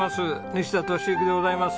西田敏行でございます。